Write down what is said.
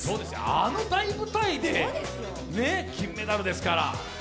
あの大舞台で、金メダルですから。